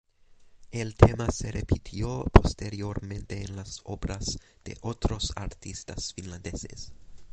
El tema se repitió posteriormente en las obras de otros artistas finlandeses.